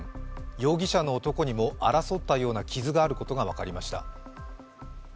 容疑者の男にも争ったような傷があることが分かりました。